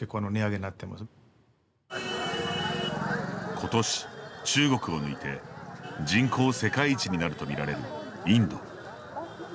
今年、中国を抜いて、人口世界一になるとみられるインド。